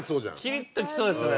キリっときそうですね。